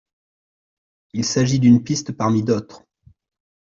Il s’agit d’une piste parmi d’autres.